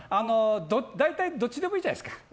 大体どっちでもいいじゃないですか。